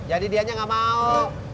jadi dianya ga mau